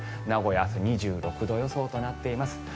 名古屋、明日２６度予想となっています。